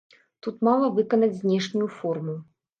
Тут мала выканаць знешнюю форму.